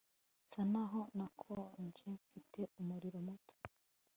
nsa naho narakonje. mfite umuriro muto